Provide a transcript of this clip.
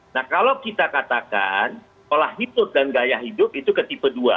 nah kalau kita katakan pola hidup dan gaya hidup itu ke tipe dua